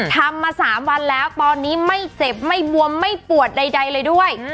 ทำมา๓วันแล้วตอนนี้ไม่เจ็บไม่บวมไม่ปวดใดเลยด้วย